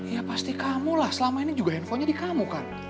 ya pasti kamu lah selama ini juga handphonenya di kamu kan